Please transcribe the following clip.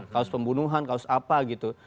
kasus pembunuhan kasus apa gitu